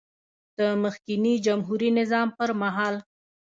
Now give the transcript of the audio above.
د مخکېني جمهوري نظام پر مهال